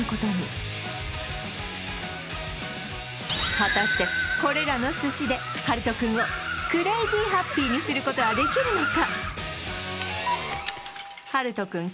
果たしてこれらの寿司でハルト君をクレイジーハッピーにすることはできるのか？